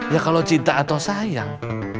ya kalau cinta atau sayang